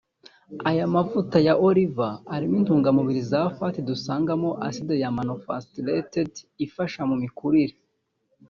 aya mavuta ya oliva arimo intungamubiri za fat dusangamo acide ya monounstaturated ifasha mu mikurire